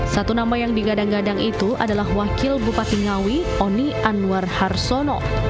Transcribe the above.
satu nama yang digadang gadang itu adalah wakil bupati ngawi oni anwar harsono